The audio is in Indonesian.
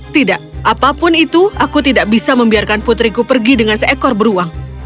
tidak apapun itu aku tidak bisa membiarkan putriku pergi dengan seekor beruang